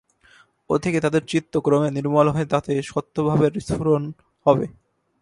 ও থেকে তাদের চিত্ত ক্রমে নির্মল হয়ে তাতে সত্ত্বভাবের স্ফুরণ হবে।